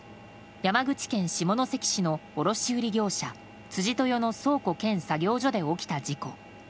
山口県下関市の卸売業者・辻豊の倉庫兼作業所で起きた事故。